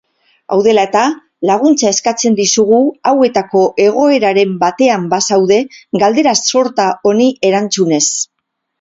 Hau dela eta, laguntza eskatzen dizugu hauetako egoeraren batean bazaude galdera-sorta honi erantzunez.